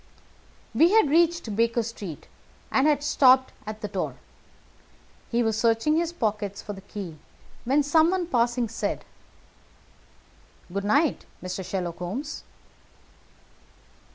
We had reached Baker Street, and had stopped at the door. He was searching his pockets for the key when someone passing said: "Good night, Mister Sherlock Holmes."